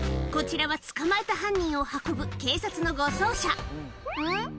こちらは捕まえた犯人を運ぶ警察の護送車んっ？